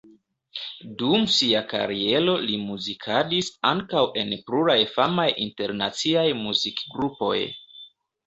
Dum sia kariero li muzikadis ankaŭ en pluraj famaj internaciaj muzikgrupoj.